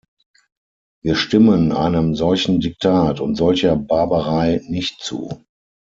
Wir stimmen einem solchen Diktat und solcher Barbarei nicht zu.